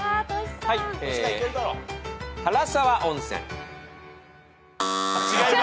はい。